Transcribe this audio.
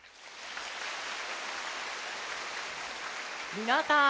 みなさん